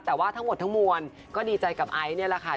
แต่ว่าทั้งหมดทั้งมวลก็ดีใจกับไอซ์นี่แหละค่ะ